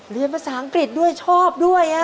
เรียนภาษาอังกฤษด้วยชอบด้วย